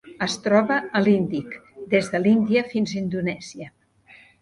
Es troba a l'Índic: des de l'Índia fins a Indonèsia.